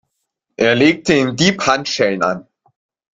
Er legte dem Dieb Handschellen an.